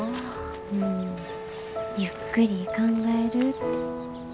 うんゆっくり考えるって。